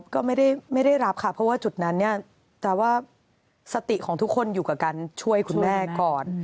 ก็ไม่ได้รับค่ะเพราะว่าจุดนั้นเนี่ยแต่ว่าสติของทุกคนอยู่กับการช่วยคุณแม่ก่อน